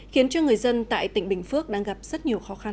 khiến cho người dân tại tỉnh bình phước đang gặp rất nhiều khó khăn